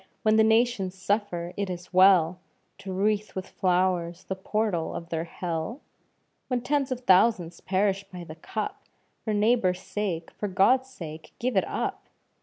when the nations suffer, is it well To wreath with flowers the portal of their hell? When tens of thousands perish by the cup. For neighbour's sake, for God's sake, give it up!